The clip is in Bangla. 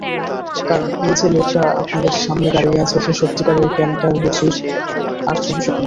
কারণ এই যে লোকটা আপনাদের সামনে দাঁড়িয়ে আছে সে সত্যিকারের ক্যান্টারবুরির আর্চবিশপ নয়।